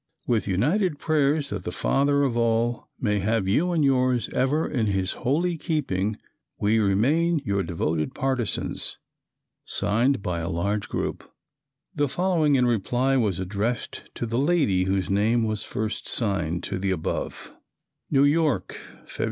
"With united prayers that the Father of all may have you and yours ever in His holy keeping, we remain your devoted partisans." Signed by a large number. The following in reply was addressed to the lady whose name was first signed to the above: "New York, Feb.